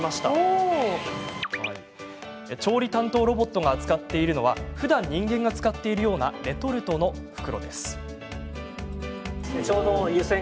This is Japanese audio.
調理担当ロボットが扱っているのはふだん人間が使っているようなレトルトの袋。